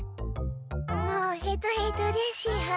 もうヘトヘトでしゅ。